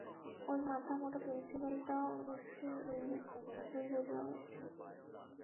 ঐ মাথামোটা প্রিন্সিপালটাও নিশ্চয়ই এই একই বুলি আওড়াচ্ছে।